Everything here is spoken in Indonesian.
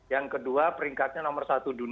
yang kedua peringkatnya nomor satu dulu